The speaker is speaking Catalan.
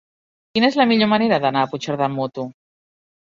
Quina és la millor manera d'anar a Puigcerdà amb moto?